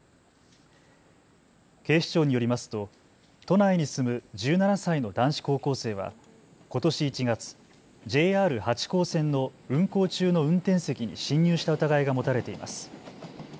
警視庁によりますと都内に住む１７歳の男子高校生はことし１月、ＪＲ八高線の運行中の運転席に侵入した疑いが持たれています。